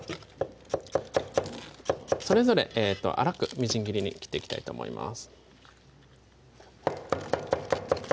それぞれ粗くみじん切りに切っていきたいと思います